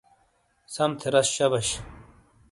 سم تھے رس شبش!